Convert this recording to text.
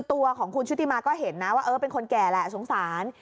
ตัวของคุณชุติมาก็เห็นนะว่าเออเป็นคนแก่แหละสงสาร